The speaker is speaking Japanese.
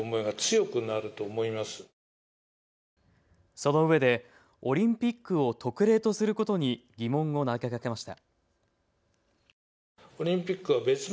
そのうえでオリンピックを特例とすることに疑問を投げかけました。